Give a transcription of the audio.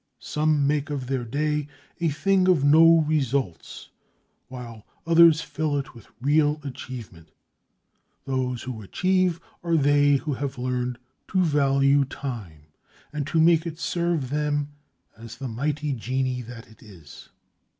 Some make of their day a thing of no results, while others fill it with real achievement. Those who achieve are they who have learned to value time, and to make it serve them as the mighty genie that it is.